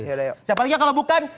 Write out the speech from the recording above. siapa lagi kalau bukan